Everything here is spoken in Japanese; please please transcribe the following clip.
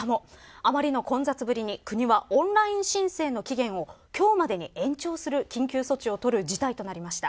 あまりの混雑ぶりに国は、オンライン申請の期限を今日までに延長する緊急措置を取る事態となりました。